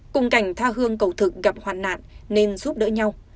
cùng cảnh tha hương cầu thực gặp hoàn nạn nên giúp đỡ nhau